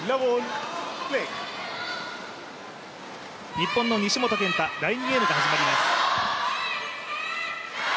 日本の西本拳太、第２ゲームが始まります。